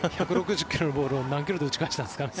１６０ｋｍのボールを何キロで打ち返したんですかね。